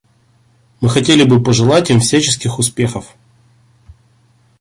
Мы хотели бы пожелать им всяческих успехов.